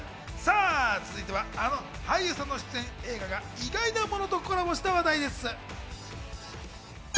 続いては、あの俳優さんの出演映画が意外なものとコラボした話題です。